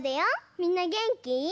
みんなげんき？